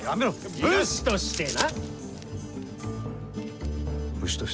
武士としてな。